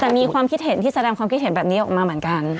แต่มีความคิดเห็นที่แสดงความคิดเห็นแบบนี้ออกมาเหมือนกัน